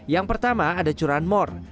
yang pertama ada curan mor